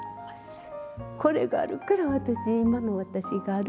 これがあるから今の私がある。